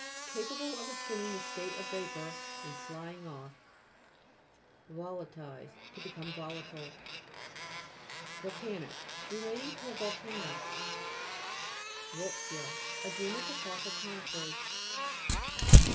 Capa ble of assuming the state of vapour, and flying off. VOLA'TILIZE To become volatile. VOLGA 'NIC Relating to a volcano. GLOSSARY. GEOLOGY. 235 VOLT'ZIA A genus of fossil co'nifers.